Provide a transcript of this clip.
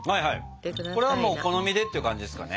これはもうお好みでっていう感じですかね。